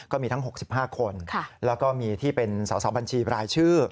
ก็มีทั้ง๖๕คนแล้วก็มีที่เป็นสอสอบัญชีบรายชื่อ